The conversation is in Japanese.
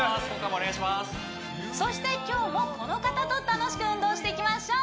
そして今日もこの方と楽しく運動していきましょう！